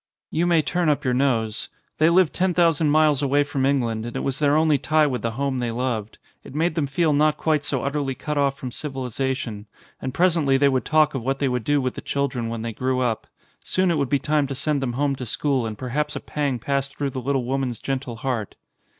You may turn up your nose. They lived ten thousand miles away from England and it was their only tie with the home they loved: it made them feel not quite so utterly cut off from civilisa^ tion. And presently they would talk of what they would do with the children when they grew up ; soon it would be time to send them home to school and perhaps a pang passed through the little woman's gentle heart.